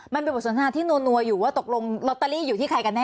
อ๋อมันมีบริษัทที่นัวอยู่ว่าตกลงลอตเตอรี่อยู่ที่ใครกันแน่